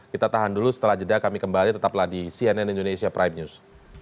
kita tahan dulu setelah jeda kami kembali tetaplah di cnn indonesia prime news